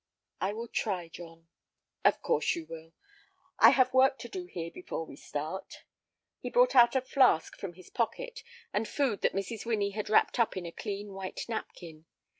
"I will try, John." "Of course you will. I have work to do here before we start." He brought out a flask from his pocket, and food that Mrs. Winnie had wrapped up in a clean white napkin.